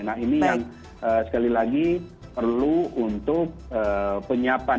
nah ini yang sekali lagi perlu untuk penyiapan